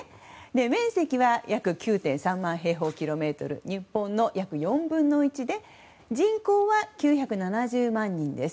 面積は約９．３万平方キロメートル日本の約４分の１で人口は９７０万人です。